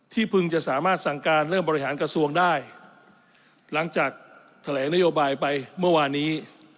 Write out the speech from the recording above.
เพิ่งจะสามารถสั่งการเริ่มบริหารกระทรวงได้หลังจากแถลงนโยบายไปเมื่อวานี้